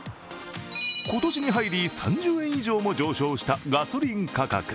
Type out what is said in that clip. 今年に入り３０円以上も上昇したガソリン価格。